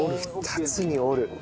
２つに折るはい。